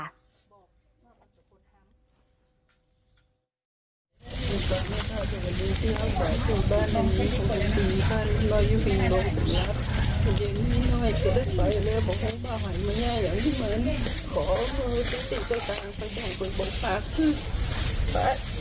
นอกมันก็มีสิทธิ์ด้วยตาม